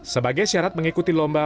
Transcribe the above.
sebagai syarat mengikuti lomba